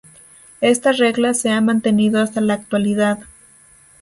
Esta regla se ha mantenido hasta la actualidad.